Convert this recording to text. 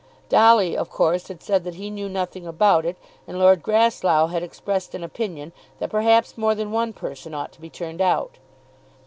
Dolly of course had said that he knew nothing about it, and Lord Grasslough had expressed an opinion that perhaps more than one person ought to be turned out.